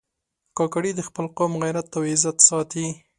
کاکړي د خپل قوم غیرت او عزت ساتي.